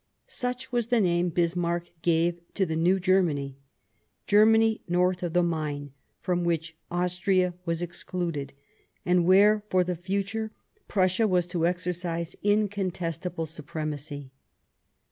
Such was the name Bismarck gave to the new Germany, Germany north of the Main, from which Austria was excluded, and where, for the future, Prussia was to exercise incontestable supremacy.